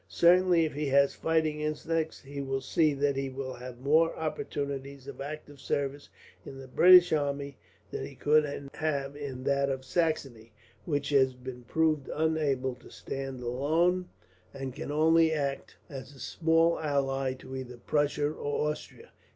Certainly, if he has fighting instincts, he will see that he will have more opportunities of active service, in the British army, than he could have in that of Saxony; which has been proved unable to stand alone, and can only act as a small ally to either Prussia or Austria.